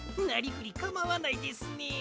なりふりかまわないですね。